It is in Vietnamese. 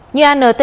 như an ở tvn